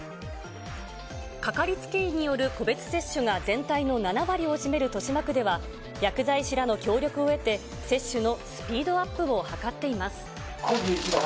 掛かりつけ医による個別接種が全体の７割を占める豊島区では、薬剤師らの協力を得て、接種のスピードアップを図っています。